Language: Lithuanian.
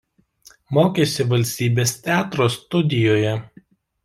Mokėsi valstybės teatro studijoje.